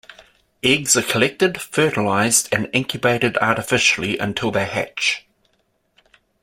Eggs are collected, fertilized and incubated artificially until they hatch.